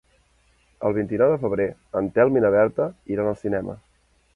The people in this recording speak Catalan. El vint-i-nou de febrer en Telm i na Berta iran al cinema.